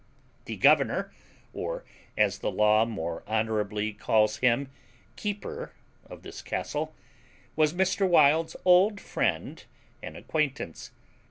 The governor, or, as the law more honourably calls him, keeper of this castle, was Mr. Wild's old friend and acquaintance.